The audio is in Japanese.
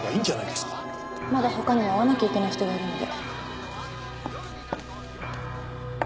まだ他にも会わなきゃいけない人がいるので。